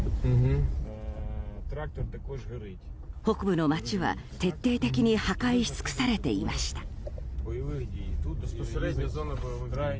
北部の街は徹底的に破壊しつくされていました。